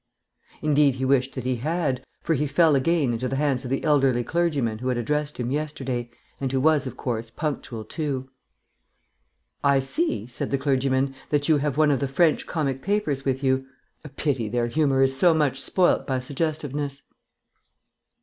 Indeed, he wished that he had, for he fell again into the hands of the elderly clergyman who had addressed him yesterday, and who was, of course, punctual too. "I see," said the clergyman, "that you have one of the French comic papers with you. A pity their humour is so much spoilt by suggestiveness."